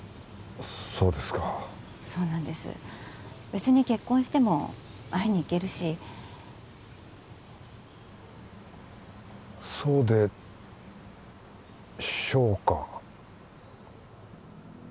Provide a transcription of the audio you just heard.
そうですかそうなんですべつに結婚しても会いに行けるしそうでしょうか